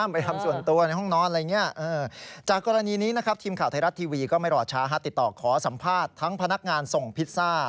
พี่จะทำอย่างไร